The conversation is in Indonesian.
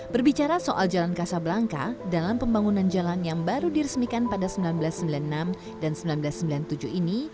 berbicara soal jalan kasablangka dalam pembangunan jalan yang baru diresmikan pada seribu sembilan ratus sembilan puluh enam dan seribu sembilan ratus sembilan puluh tujuh ini